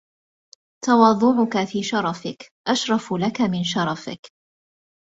تَوَاضُعُك فِي شَرَفِك أَشْرَفُ لَك مِنْ شَرَفِك